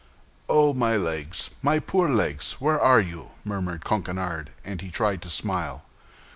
"Oh, my legs, my poor legs! where are you?" murmured Coquenard, and he tried to smile.